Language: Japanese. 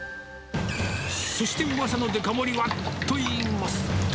そしてうわさのデカ盛りはといいますと。